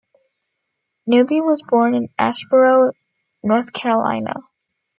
Newby was born in Asheboro, North Carolina.